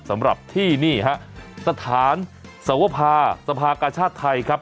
สำหรับที่นี่ฮะสถานสวภาสภากาชาติไทยครับ